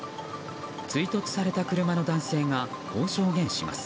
追突された車の男性がこう証言します。